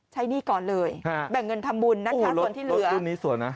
ใช้หนี้ก่อนเลยแบ่งเงินทำบุญนะคะส่วนที่เหลือ